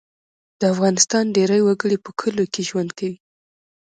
د افغانستان ډیری وګړي په کلیو کې ژوند کوي